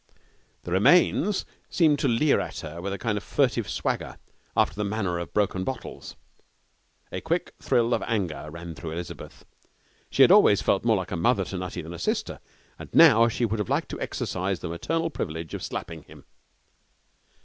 The remains seemed to leer at her with a kind of furtive swagger, after the manner of broken bottles. A quick thrill of anger ran through Elizabeth. She had always felt more like a mother to Nutty than a sister, and now she would have liked to exercise the maternal privilege of slapping him.